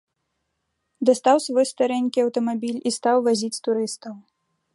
Дастаў свой старэнькі аўтамабіль і стаў вазіць турыстаў.